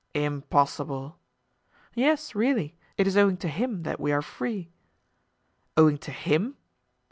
"Impossible!" "Yes, really; it is owing to him that we are free." "Owing to him?"